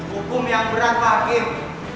hukum yang berat pak hakim